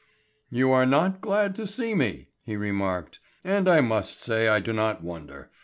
"You are not glad to see me," he remarked, "and I must say I do not wonder.